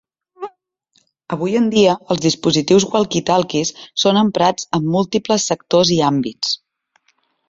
Avui en dia els dispositius walkie-talkies són emprats en múltiples sectors i àmbits.